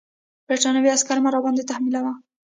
برټانوي عسکر مه راباندې تحمیلوه.